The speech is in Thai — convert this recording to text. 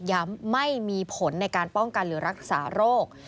ไม่มีผลในการป้องกันหรือรักษาโรค